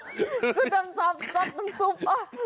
สัตว์น้ำซบ